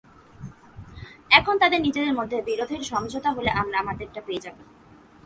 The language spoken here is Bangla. এখন তাদের নিজেদের মধ্যে বিরোধের সমঝোতা হলে আমরা আমাদেরটা পেয়ে যাব।